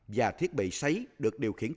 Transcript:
và thiết bị sấy được điều khiển